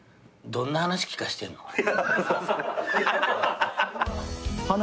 どんな話聞かせてんの？